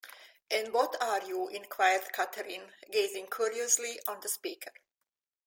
‘And what are you?’ inquired Catherine, gazing curiously on the speaker.